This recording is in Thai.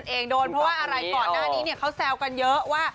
เพราะว่าอะไรก่อนหน้านี้เขาแซวกันเยอะว่า